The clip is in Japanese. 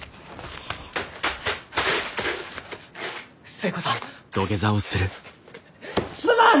寿恵子さんすまん！